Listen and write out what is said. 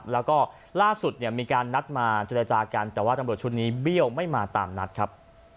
แล้วก็ล่าสุดเนี่ยมีการนัดมาเจรจากันแต่ว่าตำรวจชุดนี้เบี้ยวไม่มาตามนัดครับ